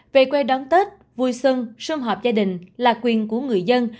về quê đón tết vui xuân xung họp gia đình là quyền của người dân